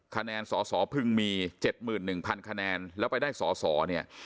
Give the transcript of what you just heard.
คะแนนสสพึงมี๗๑๐๐คะแนนแล้วไปได้สอสอเนี่ย